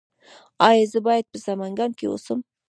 ایا زه باید په سمنګان کې اوسم؟